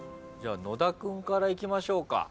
じゃあ野田君からいきましょうか。